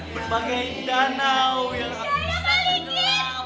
berbagai danau yang bisa kedengeran